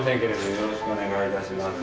よろしくお願いします。